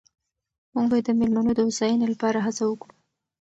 موږ باید د مېلمنو د هوساینې لپاره هڅه وکړو.